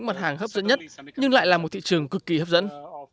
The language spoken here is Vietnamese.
mặt hàng hấp dẫn nhất nhưng lại là một thị trường cực kỳ hấp dẫn